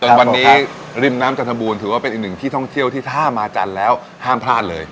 จนวันนี้ริมน้ำจันทบูรณถือว่าเป็นอีกหนึ่งที่ท่องเที่ยวที่ถ้ามาจันทร์แล้วห้ามพลาดเลย